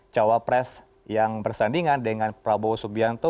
cawa pres yang bersandingan dengan prabowo subianto